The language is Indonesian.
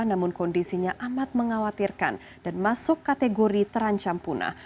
namun kondisinya amat mengkhawatirkan dan masuk kategori terancam punah